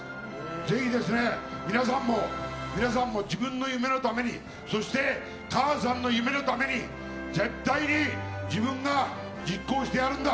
ぜひですね、皆さんも皆さんも自分の夢のためにそして、母さんの夢のために絶対に自分が実行してやるんだ。